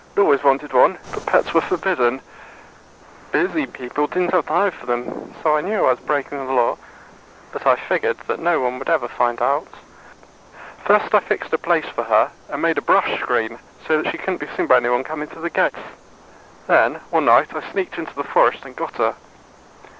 I'd always wanted one, but pets were forbidden. Busy people didn't have time for them. So I knew I was breaking the Law. But I figured that no one would ever find out. First I fixed a place for her, and made a brush screen, so that she couldn't be seen by anyone coming to the gates. Then, one night, I sneaked into the forest and got her.